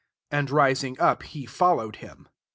And rising up, he followed him.